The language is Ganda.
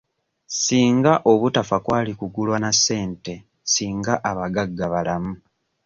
Singa obutafa kwali kugulwa na ssente singa abagagga balamu.